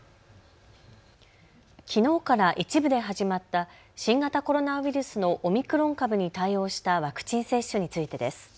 きのうから一部で始まった新型コロナウイルスのオミクロン株に対応したワクチン接種についてです。